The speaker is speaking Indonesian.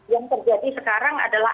yang terjadi sekarang adalah